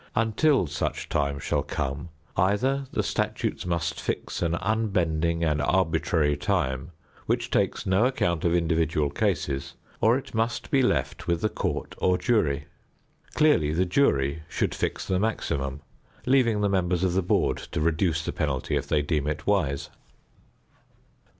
Until such time shall come either the statutes must fix an unbending and arbitrary time which takes no account of individual cases, or it must be left with the court or jury. Clearly the jury should fix the maximum, leaving the members of the board to reduce the penalty if they deem it wise.